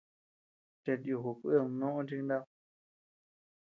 Chete yuku kuid noʼö chi kanad.